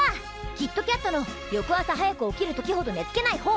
キッドキャットの翌朝早く起きる時ほど寝つけないほうパオリンです！